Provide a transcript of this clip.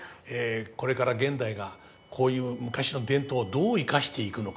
これから現代がこういう昔の伝統をどう生かしていくのか。